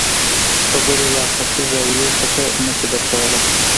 خبرې له افاقي زاويو څخه نه شي درک کولی.